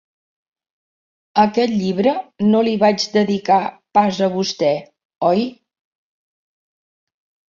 Aquest llibre no li vaig dedicar pas a vostè, oi?